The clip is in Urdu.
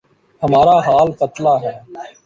ہمارا حال پتلا ہے۔